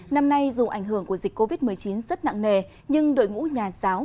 năm nay dù ảnh hưởng của dịch covid một mươi chín rất nặng nề nhưng đội ngũ nhà giáo